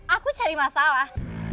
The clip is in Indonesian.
aku cari masalah